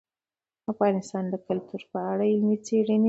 افغانستان د کلتور په اړه علمي څېړنې لري.